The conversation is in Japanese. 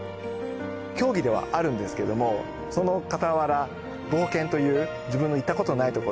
競技ではあるんですけどもその傍ら冒険という自分の行った事のない所